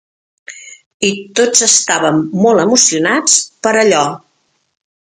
I tots estàvem molt emocionats per allò.